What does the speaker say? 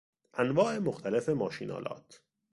انواع مختلف ماشینآلات